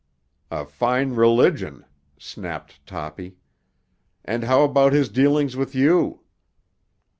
"A fine religion!" snapped Toppy. "And how about his dealings with you?"